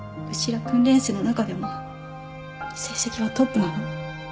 ら訓練生の中でも成績はトップなの。